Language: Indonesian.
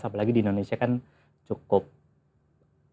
apalagi di indonesia kan cukup banyak